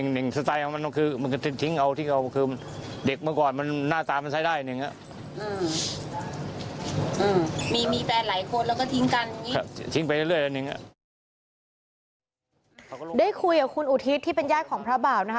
เหมือนแฟนหลายคนแล้วก็ทิ้งกัน